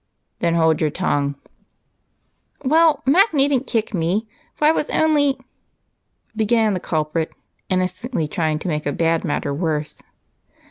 "Then hold your tongue." "Well, Mac needn't kick me, for I was only..." began the culprit, innocently trying to make a bad matter worse.